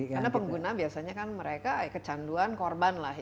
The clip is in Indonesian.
karena pengguna biasanya kan mereka kecanduan korban lah